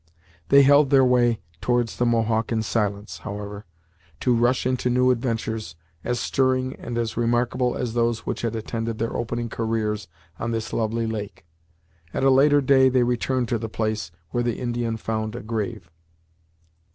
They held their way towards the Mohawk in silence, however, to rush into new adventures, as stirring and as remarkable as those which had attended their opening careers on this lovely lake. At a later day they returned to the place, where the Indian found a grave.